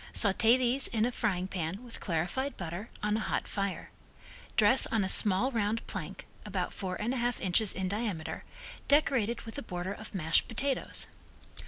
Saute these in a frying pan with clarified butter on a hot fire. Dress on a small round plank, about four and a half inches in diameter, decorated with a border of mashed potatoes.